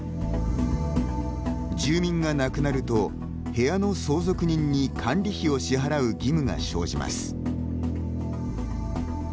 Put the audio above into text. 住民が亡くなると部屋の相続人に管理費を支払う義務が生じます。